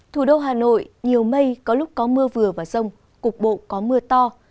thủ đô hà nội nhiều mây có lúc có mưa vừa và rông cục bộ có mưa to